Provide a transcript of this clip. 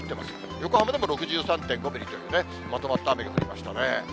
横浜でも６３．５ミリというまとまった雨が降りましたね。